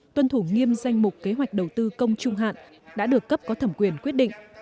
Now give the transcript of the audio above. tuân thủ nghiêm danh mục kế hoạch đầu tư công trung hạn đã được cấp có thẩm quyền quyết định